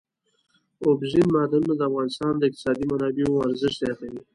اوبزین معدنونه د افغانستان د اقتصادي منابعو ارزښت زیاتوي.